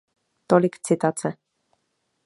Tolik citace.